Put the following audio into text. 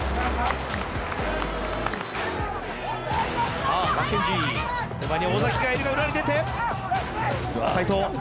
さあマッケンジー手前には尾がいるが裏に出て齋藤。